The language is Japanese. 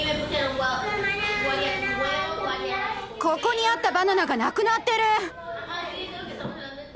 ここにあったバナナが無くなってる！